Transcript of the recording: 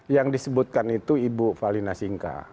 yang disebutkan itu ibu fahli nasinka